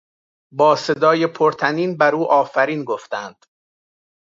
با صدای پر طنین بر او آفرین گفتند.